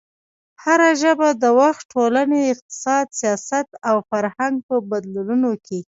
هره ژبه د وخت، ټولنې، اقتصاد، سیاست او فرهنګ په بدلونونو کې